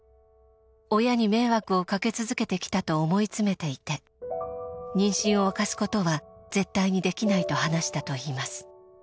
親に迷惑をかけ続けてきたと思い詰めていて「妊娠を明かすことは絶対にできない」と話したといいます。